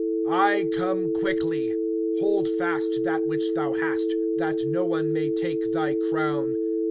(11)I come quickly; hold fast that which thou hast, that no one may take thy crown.